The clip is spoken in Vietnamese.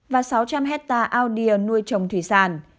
và sáu trăm linh hectare audio nuôi trồng thủy sản